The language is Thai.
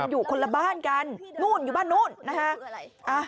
อยู่คนละบ้านกันนู่นอยู่บ้านนู้นนะฮะ